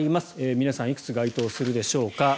皆さんいくつ該当するでしょうか。